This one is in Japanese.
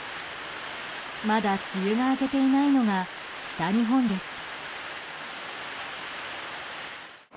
まだ梅雨が明けていないのが北日本です。